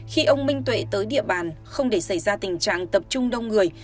khi ông minh tuệ tới địa bàn không để xảy ra tình trạng tập trung đông người